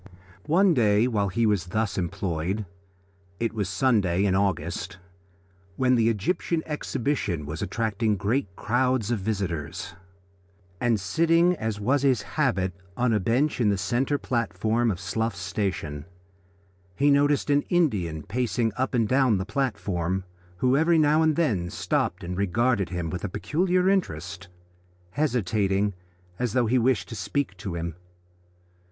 One day while he was thus employed it was Sunday, in August of 19 , when the Egyptian Exhibition was attracting great crowds of visitors and sitting, as was his habit, on a bench on the centre platform of Slough Station, he noticed an Indian pacing up and down the platform, who every now and then stopped and regarded him with peculiar interest, hesitating as though he wished to speak to him.